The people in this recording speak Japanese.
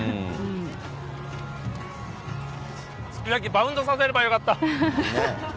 すき焼きバウンドさせればよかった。